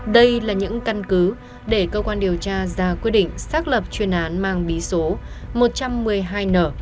đây là những căn cứ để cơ quan điều tra ra quyết định xác lập chuyên án mang bí số một trăm một mươi hai n